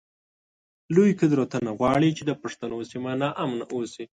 لوی قدرتونه غواړی چی د پښتنو سیمه ناامنه اوسی